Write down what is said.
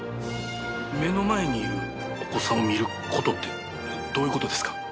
目の前にいるお子さんを見ることってどういうことですか？